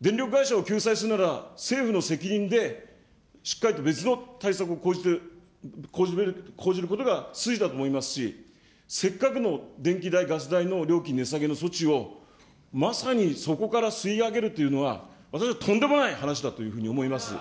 電力会社を救済するなら、政府の責任でしっかりと別の対策を講じて、講じることが筋だと思いますし、せっかくの電気代、ガス代の料金値下げの措置を、まさにそこから吸い上げるというのは、私はとんでもない話だというふうに思います。